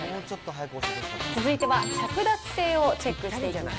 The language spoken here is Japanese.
続いては着脱性をチェックしていきます。